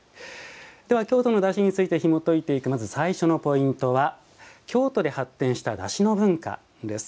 では京都のだしについてひもといていく最初のポイントは「京都で発展しただしの文化」です。